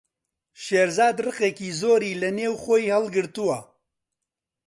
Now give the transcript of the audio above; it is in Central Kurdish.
شێرزاد ڕقێکی زۆری لەنێو خۆی هەڵگرتووە.